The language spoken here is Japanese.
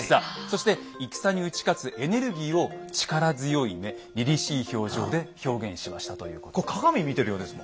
そして戦に打ち勝つエネルギーを力強い目りりしい表情で表現しましたということです。